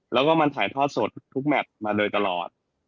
แล้วก็มันถ่ายทอดสดทุกแมทมาโดยตลอด